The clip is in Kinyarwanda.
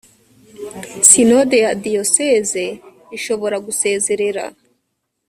sinode ya diyoseze ishobora gusezerera